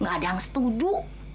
nggak ada yang setuju